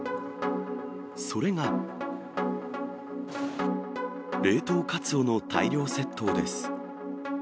それが冷凍カツオの大量窃盗です。